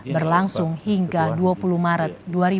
berlangsung hingga dua puluh maret dua ribu dua puluh